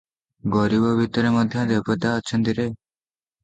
ଗରିବ ଭିତରେ ମଧ୍ୟ ଦେବତା ଅଛନ୍ତି ରେ!